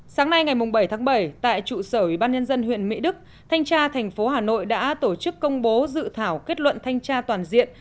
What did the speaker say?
sáng nay ngày bảy tháng bảy tại trụ sở ủy ban nhân dân huyện mỹ đức thanh tra thành phố hà nội đã tổ chức công bố dự thảo kết luận thanh tra toàn diện